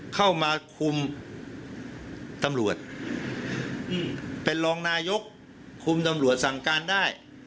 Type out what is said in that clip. เข้ามาคุมตำรวจเป็นรองนายกคุมตำรวจสั่งการได้